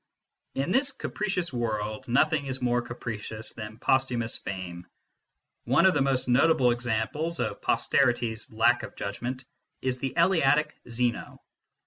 In this capricious world, nothing is more capricious than posthumous fame. One of the most notable examples of posterity s lack of judgment is the Eleatic Zeno.